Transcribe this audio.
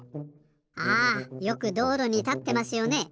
あよくどうろにたってますよね。